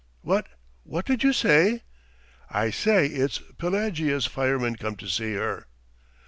"What! what did you say?" "I say it's Pelagea's fireman come to see her."